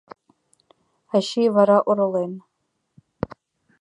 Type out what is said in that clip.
Ачий вара оролен.